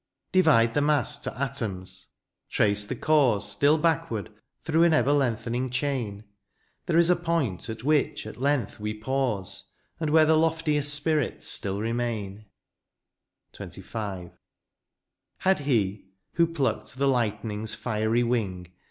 Divide the mass to atoms — ^trace the cause Still backward through an ever lengthening chain^ There is a pomt at which at length we pause, And where the loftiest spirits still remain. XXV. Had he* who plucked the lightening's fiery wing.